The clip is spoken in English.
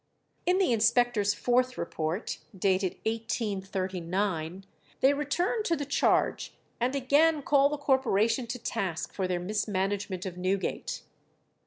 In the inspectors' fourth report, dated 1839, they return to the charge, and again call the corporation to task for their mismanagement of Newgate.